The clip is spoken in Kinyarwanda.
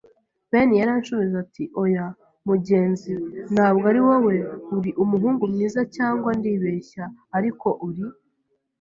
Ben yarashubije ati: “Oya, mugenzi, ntabwo ari wowe. Uri umuhungu mwiza, cyangwa ndibeshya; ariko uri